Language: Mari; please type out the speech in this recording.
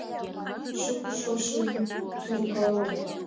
Шуко шошо вӱд тӱргалын